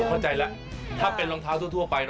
เข้าใจแล้วถ้าเป็นรองเท้าทั่วไป